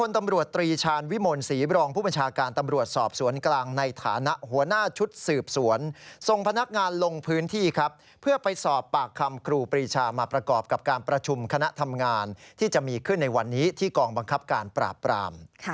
ที่จะมีขึ้นในวันนี้ที่กองปังคับการปราบราม